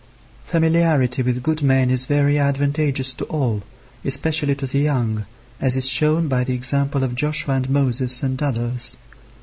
Familiarity with good men is very advantageous to all, especially to the young, as is shown by the example of Joshua and Moses and others.